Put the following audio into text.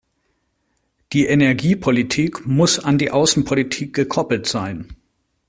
Die Energiepolitik muss an die Außenpolitik gekoppelt sein.